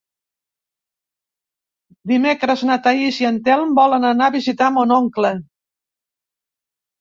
Dimecres na Thaís i en Telm volen anar a visitar mon oncle.